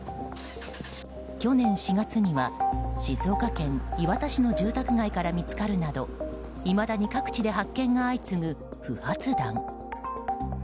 去年４月には、静岡県磐田市の住宅街から見つかるなどいまだに各地で発見が相次ぐ不発弾。